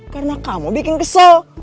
karena kamu bikin kesel